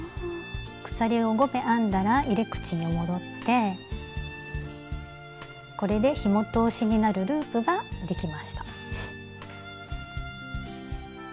鎖を５目編んだら入れ口に戻ってこれでひも通しになるループができました。